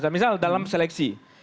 misal dalam seleksi